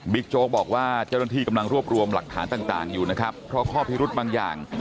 โจ๊กบอกว่าเจ้าหน้าที่กำลังรวบรวมหลักฐานต่างอยู่นะครับเพราะข้อพิรุธบางอย่าง